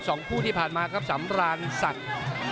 สองคู่ที่ผ่านมาครับสำรานศักดิ์